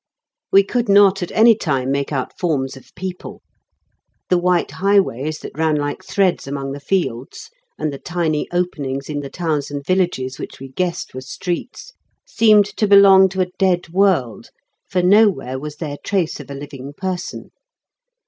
We could not at any time make out forms of people. The white highways that ran like threads among the fields, and the tiny openings in the towns and villages which we guessed were streets, seemed to belong to a dead world, for nowhere was there trace of a living person.